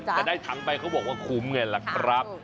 แต่ได้ถังไปเขาบอกว่าคุ้มไงล่ะครับ